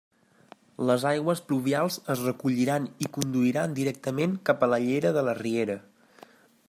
Les aigües pluvials es recolliran i conduiran directament cap a la llera de la riera.